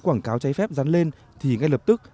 quảng cáo cháy phép rán lên thì ngay lập tức